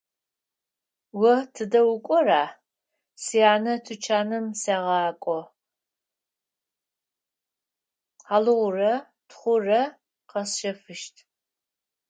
О тыдэ укӀора? – Сянэ тучаным сегъакӀо; хьалыгъурэ тхъурэ къэсхьыщт.